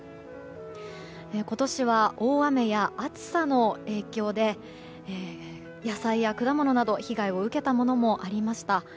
今年は大雨や暑さの影響で野菜や果物など被害を受けたものもありました。